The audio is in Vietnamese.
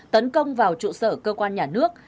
tấn công vào trụ sở cơ quan nhà nước